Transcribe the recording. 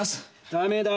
ダメだ。